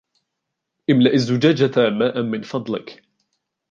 املأ الزجاجة ماءا من فضلك.